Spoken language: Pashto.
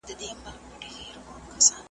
چي پر هرقدم د خدای شکر کومه .